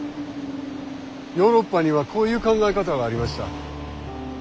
ヨーロッパにはこういう考え方がありました。